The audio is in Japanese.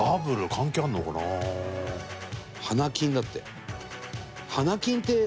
「花金」だって。